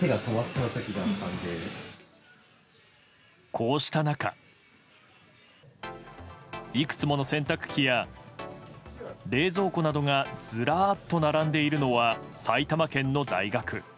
こうした中いくつもの洗濯機や冷蔵庫などがずらーっと並んでいるのは埼玉県の大学。